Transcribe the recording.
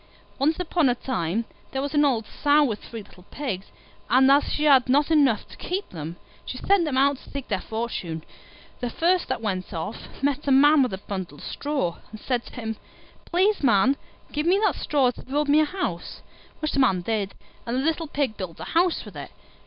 Once upon a time there was an old Sow with three little Pigs, and as she had not enough to keep them, she sent them out to seek their fortune. The first that went off met a Man with a bundle of straw, and said to him, "Please, Man, give me that straw to build me a house"; which the Man did, and the little Pig built a house with it.